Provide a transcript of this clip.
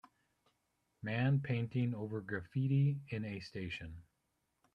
Man painting over Graffiti in a station.